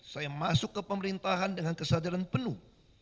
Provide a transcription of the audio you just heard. saya masuk ke pemerintahan dengan kesadaran penuh